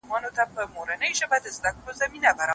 شاګرد د موضوع سرچيني څنګه ثبتوي؟